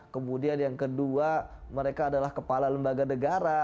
kemudian yang kedua mereka adalah kepala lembaga negara